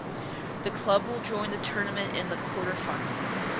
The club will join the tournament in the quarterfinals.